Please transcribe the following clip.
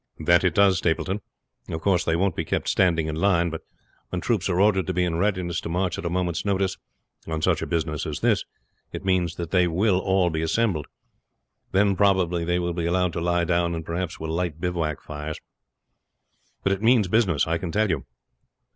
"That it does, Stapleton. Of course they won't be kept standing in line; but when troops are ordered to be in readiness to march at a moment's notice, on such a business as this, it means that they will all be assembled. Then probably they will be allowed to lie down, and perhaps will light bivouac fires. But it means business, I can tell you."